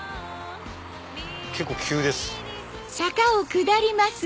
結構急です。